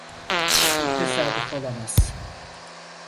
Bu tesadüf olamaz.